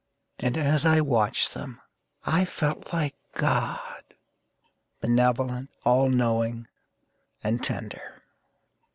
And as I watched them I felt like God Benevolent, all knowing, and tender.